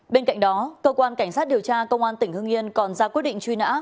bên cạnh đó cơ quan cảnh sát điều tra công an tỉnh hưng yên còn ra quyết định truy nã